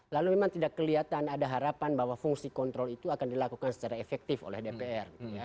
lalu memang tidak kelihatan ada harapan bahwa fungsi kontrol itu akan dilakukan secara efektif oleh dpr